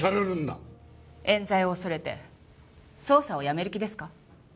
冤罪を恐れて捜査をやめる気ですか？